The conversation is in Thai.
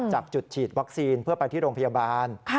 จากจุดฉีดวัคซีนเพื่อไปที่โรงพยาบาล